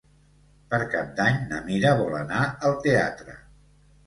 Per Cap d'Any na Mira vol anar al teatre.